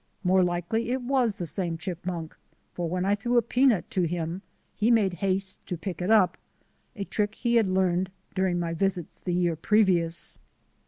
More likely it was the same chipmunk, for when I threw a peanut to him he made haste to pick it up — a trick he had learned during my visits the year previous.